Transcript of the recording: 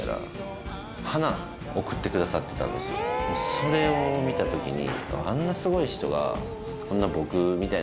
それを見た時に。